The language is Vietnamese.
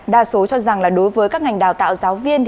đa số cho rằng là đối với các ngành đào tạo giáo viên